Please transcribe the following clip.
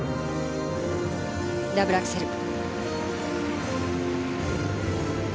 ダブルアクセル。